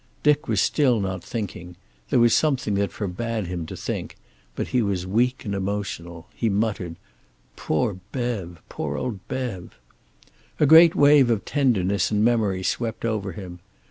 Dick was still not thinking there was something that forbade him to think but he was weak and emotional. He muttered: "Poor Bev! Poor old Bev!" A great wave of tenderness and memory swept over him.